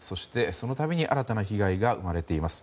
そのたびに新たな被害が生まれています。